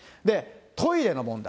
トイレの問題。